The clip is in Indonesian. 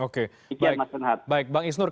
baik baik bang isnur